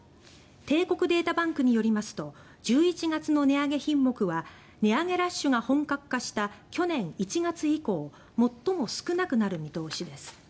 帝国データバンクによりますと１１月の値上げ品目は値上げラッシュが本格化した去年１月以降最も少なくなる見通しです。